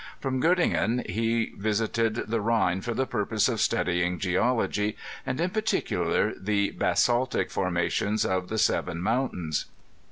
From Gottingen he visited the Bhine, for the purpose of studying geology, and in particu lar the basaltic formations of the Seven Mountains.